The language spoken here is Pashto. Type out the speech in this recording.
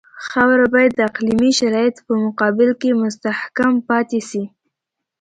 خاوره باید د اقلیمي شرایطو په مقابل کې مستحکم پاتې شي